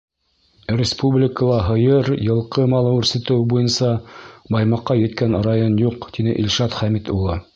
— Республикала һыйыр, йылҡы малы үрсетеү буйынса Баймаҡҡа еткән район юҡ, — тине Илшат Хәмит улы.